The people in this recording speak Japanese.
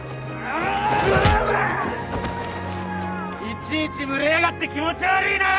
いちいち群れやがって気持ち悪いなぁ！